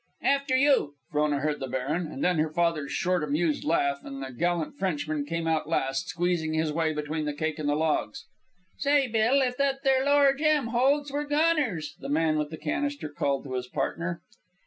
"After you," Frona heard the baron, and then her father's short amused laugh; and the gallant Frenchman came out last, squeezing his way between the cake and the logs. "Say, Bill, if that there lower jam holds, we're goners;" the man with the canister called to his partner.